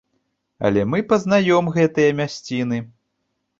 Але мы пазнаём гэтыя мясціны.